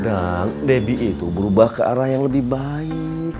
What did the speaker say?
nah debbie itu berubah ke arah yang lebih baik